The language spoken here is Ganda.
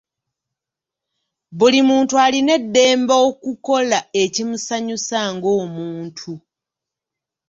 Buli muntu alina eddembe okukola ekimusanyusa ng’omuntu.